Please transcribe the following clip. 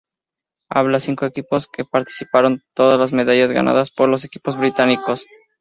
Había cinco equipos que participaron, todas las medallas ganadas por los equipos británicos.